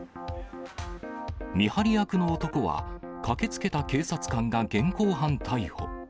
見張り役の男は、駆けつけた警察官が現行犯逮捕。